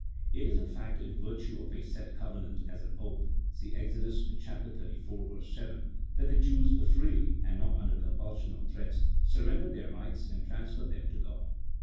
It is, in fact, in virtue of a set covenant, and an oath (see Exod. xxxiv. 7), that the Jews freely, and not under compulsion or threats, surrendered their rights and transferred them to God.